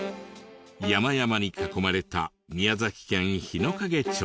山々に囲まれた宮崎県日之影町。